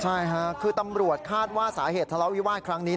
ใช่ค่ะคือตำรวจคาดว่าสาเหตุทะเลาวิวาสครั้งนี้